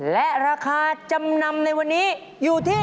และราคาจำนำในวันนี้อยู่ที่